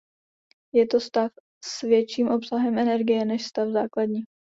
Je to stav s větším obsahem energie než stav základní.